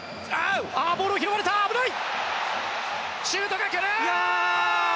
シュートが来る！